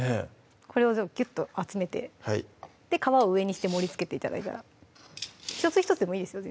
これを全部ギュッと集めて皮を上にして盛りつけて頂いたら１つ１つでもいいですよ